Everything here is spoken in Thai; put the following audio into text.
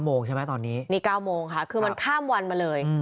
โมงใช่ไหมตอนนี้นี่๙โมงค่ะคือมันข้ามวันมาเลย